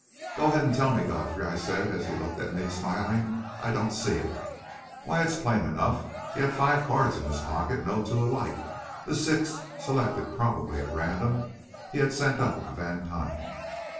"Go ahead and tell me, Godfrey," I said, as he looked at me, smiling. "I don't see it." "Why, it's plain enough. He had five cards in his pocket, no two alike. The sixth, selected probably at random, he had sent up to Vantine."